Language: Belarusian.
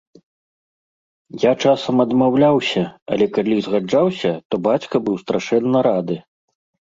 Я часам адмаўляўся, але калі згаджаўся, то бацька быў страшэнна рады.